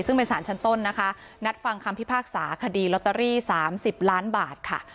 ซึ่งเป็นสารชั้นต้นนะคะนัดฟังคำพิพากษาคดีลอตเตอรี่๓๐ล้านบาทค่ะ